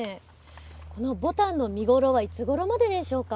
このぼたんの見頃はいつごろまででしょうか。